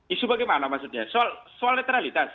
isu bagaimana maksudnya soal netralitas